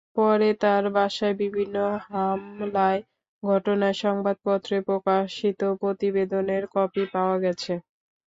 পরে তাঁর বাসায় বিভিন্ন হামলার ঘটনায় সংবাদপত্রে প্রকাশিত প্রতিবেদনের কপি পাওয়া গেছে।